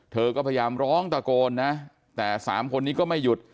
เธอก็พยายามร้องตะโกนนะแต่สามคนนี้ก็ไม่หยุด